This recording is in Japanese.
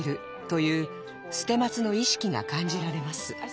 という捨松の意識が感じられます。